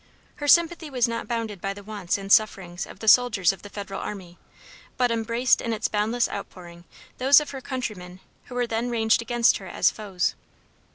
Her sympathy was not bounded by the wants and sufferings of the soldiers of the federal army, but embraced in its boundless outpouring those of her countrymen who were then ranged against her as foes.